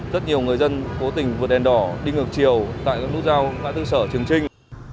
rất nhiều người dân cố tình vượt đèn đỏ đi ngược chiều tại nút giao ngã tư sở trường trinh